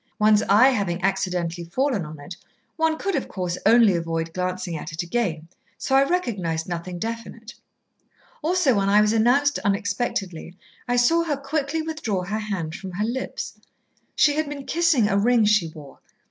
One's eye having accidentally fallen on it, one could, of course, only avoid glancing at it again, so I recognised nothing definite. Also, when I was announced unexpectedly, I saw her quickly withdraw her hand from her lips. She had been kissing a ring she wore.